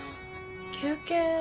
休憩。